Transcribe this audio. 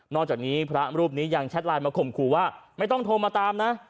อกจากนี้พระรูปนี้ยังแชทไลน์มาข่มขู่ว่าไม่ต้องโทรมาตามนะ